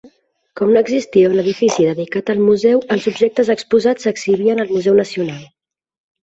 Com no existia un edifici dedicat al museu, els objectes exposats s'exhibien al Museu Nacional.